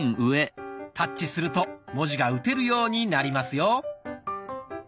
タッチすると文字が打てるようになりますよ。